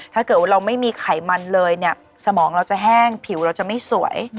ถ้าเกิดว่าเราไม่มีไขมันเลยเนี่ยสมองเราจะแห้งผิวเราจะไม่สวย